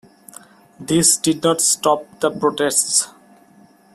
This did not stop the protests.